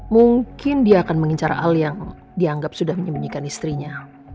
mungkin dia akan mengincar hal yang dianggap sudah menyembunyikan istrinya